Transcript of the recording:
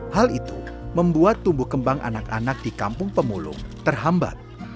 hal itu membuat tumbuh kembang anak anak di kampung pemulung terhambat